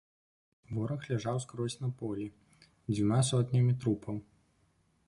Вораг ляжаў скрозь на полі дзвюма сотнямі трупаў.